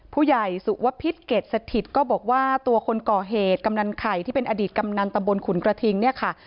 ผู้ใหญ่สุวพิษเกรดสถิตก็บอกว่าตัวคนก่อเหตุกำนันไข่ที่เป็นอดีตกำนันตำบลขุนกระทิงเนี่ยค่ะ